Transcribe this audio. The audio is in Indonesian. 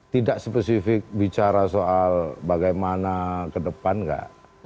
tidak spesifik bicara soal bagaimana ke depan nggak